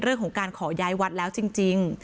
เรื่องของการขอย้ายวัดแล้วจริง